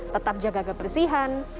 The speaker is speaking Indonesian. tetap jaga kebersihan